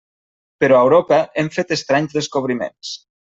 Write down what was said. Però a Europa hem fet estranys descobriments.